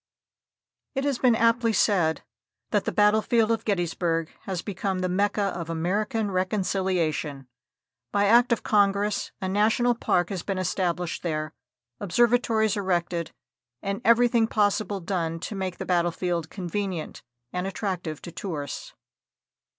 It has been aptly said that the battlefield of Gettysburg has become the "Mecca of American Reconciliation." By act of Congress a National Park has been established there, observatories erected and everything possible done to make the battlefield convenient and attractive to tourists.